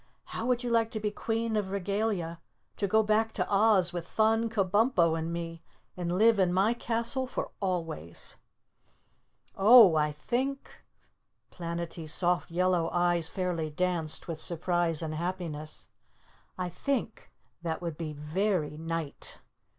"How would you like to be Queen of Regalia, to go back to Oz with Thun, Kabumpo and me and live in my castle for always?" "Oh, I think " Planetty's soft yellow eyes fairly danced with surprise and happiness "I think that would be very nite.